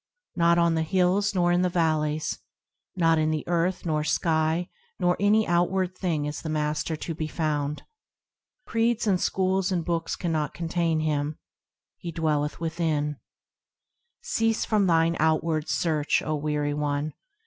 Not on the hills, nor in the valleys ; Not in the earth, nor sky, not in any outward thing is the Master to be found. Creeds and schools and books cannot contain Him, He dwelleth within. Cease from thine outward search, O weary one!